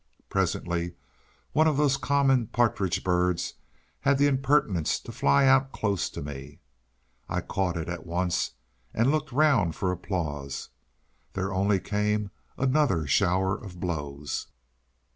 Presently one of those common partridge birds had the impertinence to fly out close to me. I caught it at once, and looked round for applause. There only came another shower of blows.